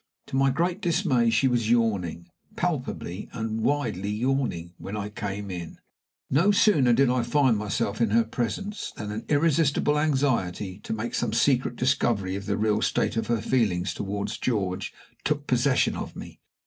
To my great dismay, she was yawning palpably and widely yawning when I came in. No sooner did I find myself in her presence than an irresistible anxiety to make some secret discovery of the real state of her feelings toward George took possession of me.